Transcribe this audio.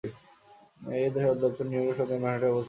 এর সদর দপ্তর নিউ ইয়র্ক শহরের ম্যানহাটনে অবস্থিত।